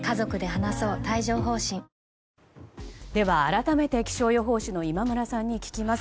では、改めて気象予報士の今村さんに聞きます。